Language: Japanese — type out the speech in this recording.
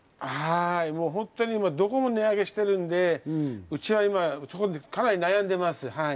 どこも値上げしているんで、うちは今、かなり悩んでいます。